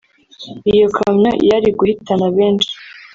iyo kamyo yari guhitana benshi